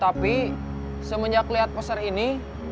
tapi semenjak lihat pasar ini